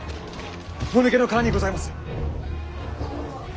もぬけの殻にございます。